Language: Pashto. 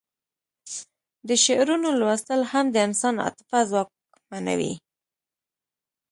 د شعرونو لوستل هم د انسان عاطفه ځواکمنوي